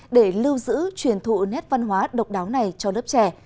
để lưu giữ truyền thụ nét văn hóa độc đáo này cho lớp trẻ